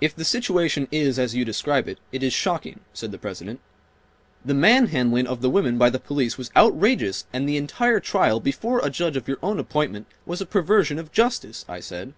"If the situation is as you describe it, it is shocking," said the President'. "The manhandling of the women by the police was outrageous and the entire trial (before a judge of your own appointment) was a perversion of justice," I said.